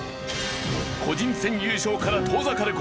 個人戦優勝から遠ざかる事